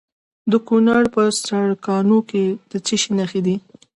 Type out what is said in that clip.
د کونړ په سرکاڼو کې د څه شي نښې دي؟